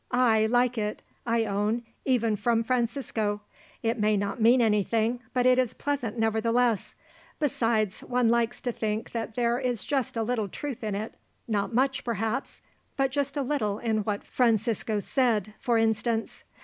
"I like it, I own, even from Francisco. It may not mean anything, but it is pleasant nevertheless; besides, one likes to think that there is just a little truth in it, not much, perhaps, but just a little in what Francisco said, for instance.